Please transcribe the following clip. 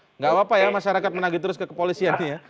enggak apa apa ya masyarakat menagih terus ke kepolisian nih ya